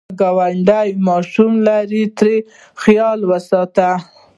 که ګاونډی ماشوم لري، ترې خیال وساته